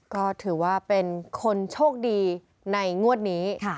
ก็ถือว่าเป็นคนโชคดีในงวดนี้